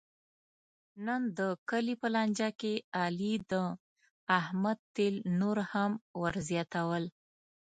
نن د کلي په لانجه کې علي د احمد تېل نور هم ور زیاتول.